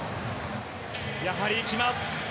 やはり行きます。